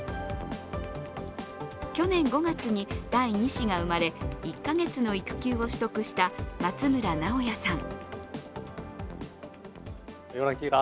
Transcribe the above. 去年５月に第２子が生まれ１か月の育休を取得した松村直哉さん。